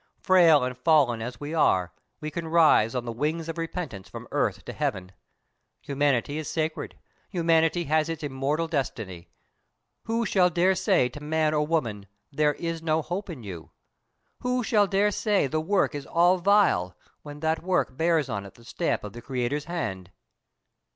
Frail and fallen as we are, we can rise on the wings of repentance from earth to heaven. Humanity is sacred. Humanity has its immortal destiny. Who shall dare say to man or woman, 'There is no hope in you?' Who shall dare say the work is all vile, when that work bears on it the stamp of the Creator's hand?"